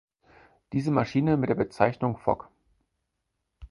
Diese Maschine mit der Bezeichnung Fok.